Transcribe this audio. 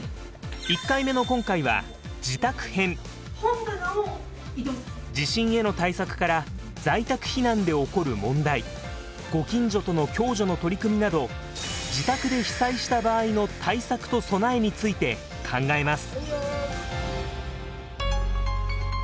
１回目の今回は地震への対策から在宅避難で起こる問題ご近所との共助の取り組みなど自宅で被災した場合の対策と備えについて考えます。